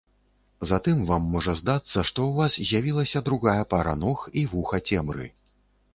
Затым вам можа здацца, што ў вас з'явілася другая пара ног і вуха цемры.